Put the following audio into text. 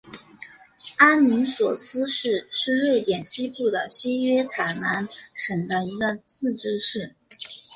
阿灵索斯市是瑞典西部西约塔兰省的一个自治市。